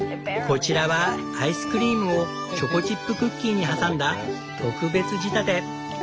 こちらはアイスクリームをチョコチップクッキーに挟んだ特別仕立て。